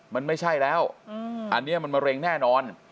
มันไม่ใช่แล้วอันนี้มันมะเร็งแน่นอน